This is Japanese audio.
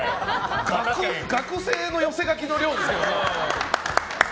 学生の寄せ書きの量ですね。